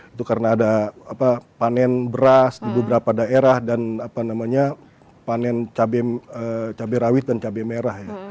itu karena ada panen beras di beberapa daerah dan panen cabai rawit dan cabai merah